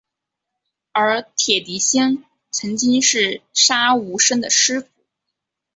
而铁笛仙曾经是杀无生的师父。